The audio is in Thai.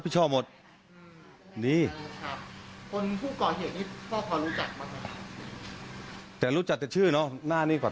คนผู้ก่อเหตุนี่ก็พอรู้จักมากกว่าแต่รู้จักแต่ชื่อเนอะหน้านี้ก่อน